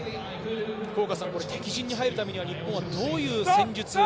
敵陣に入るためには日本はどういう戦術。